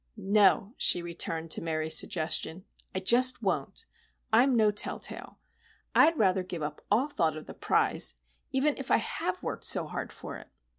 "No," she returned to Mary's suggestion. "I just won't. I'm no tell tale. I'd rather give up all thought of the prize, even if I have worked so hard for it.